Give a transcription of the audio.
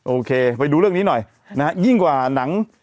โอเคไปดูเรื่องนี้หน่อยนะฮะยิ่งกว่าหนัง